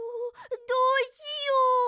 どうしよう！